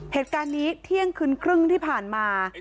เหตุการณ์นี้เที่ยงคืนครึ่งที่ผ่านมา